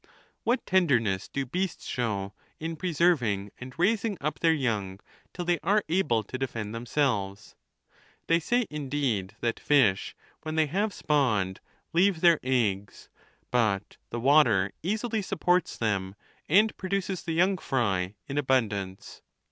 What tenderness do beasts show in preserving and raising up their young till they are able to defend themselves ! They say, indeed, that fish, when they have spawned, leave their eggs ; but the wa ter easily supports them, and produces the young fry in abundance.